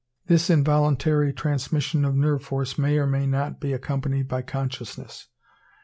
This involuntary transmission of nerve force may or may not be accompanied by consciousness.